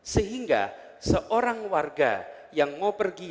sehingga seorang warga yang mau pergi